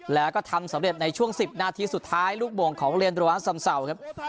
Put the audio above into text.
แล้วก็ทำสำเร็จในช่วง๑๐นาทีสุดท้ายลูกบ่งของเรียนดรัสซำเศร้าครับ